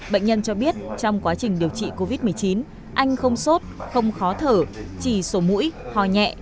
bệnh nhân cho biết trong quá trình điều trị covid một mươi chín anh không sốt không khó thở chỉ sổ mũi ho nhẹ